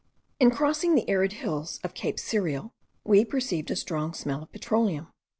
In crossing the arid hills of Cape Cirial, we perceived a strong smell of petroleum.